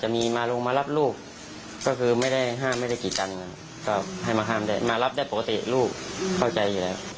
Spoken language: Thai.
มารับได้ปกติลูกเข้าใจอยู่แล้ว